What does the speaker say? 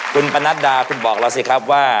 คุณปนัดดาคุณบอกเราสิครับว่า